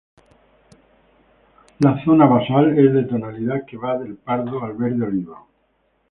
La zona basal es de tonalidad que va del pardo al verde oliva.